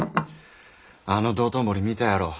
あの道頓堀見たやろ。